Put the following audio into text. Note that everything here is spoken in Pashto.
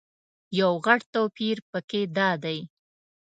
یو غټ توپیر په کې دادی.